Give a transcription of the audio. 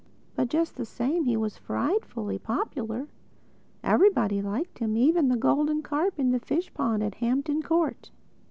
But just the same, he was frightfully popular. Everybody liked him—even the golden carp in the fish pond at Hampton Court.